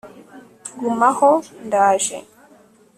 guma aho ndaje